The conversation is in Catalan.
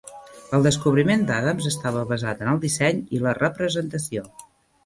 El descobriment d'Adams estava basat en el disseny i la representació.